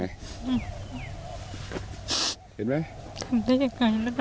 เห็นไหม